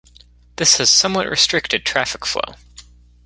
This has somewhat restricted traffic flow.